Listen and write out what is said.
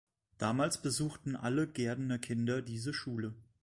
Damals besuchten alle Gehrdener Kinder diese Schule.